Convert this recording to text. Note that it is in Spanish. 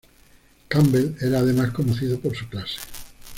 Campbell era además conocido por su clase.